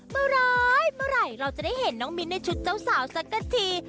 เมื่อไหร่เมื่อไหร่เราจะได้เห็นน้องมิ้นในชุดเจ้าสาวสักกะที